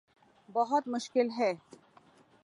بہت مشکل ہے